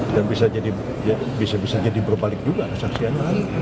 dan bisa jadi berbalik juga saksianya